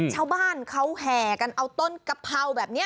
ชาวบ้านเขาแลกเอากระเภาแบบนี้